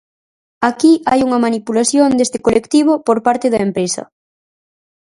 Aquí hai unha manipulación deste colectivo por parte da empresa.